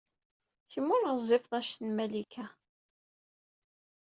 Kemm ur ɣezzifeḍ anect n Malika.